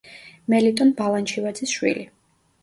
მელიტონ ბალანჩივაძის შვილი.